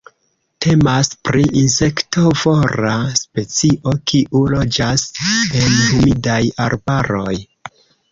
Temas pri insektovora specio kiu loĝas en humidaj arbaroj.